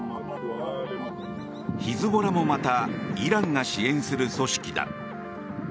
ヒズボラもまたイランが支援する組織だ。